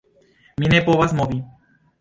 Mi ne povas movi.